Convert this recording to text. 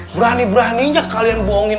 berani beraninya kalian bohongin